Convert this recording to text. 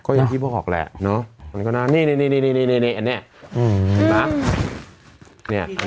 ก็ยังที่บอกแหละเนอะมันก็น่าวนี่อันนี้อืมนี่ป่ะนี่อันนี้